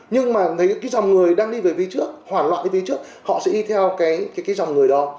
nhưng mà thấy cái dòng người đang đi về phía trước hoảng loạn về phía trước họ sẽ đi theo cái dòng người đó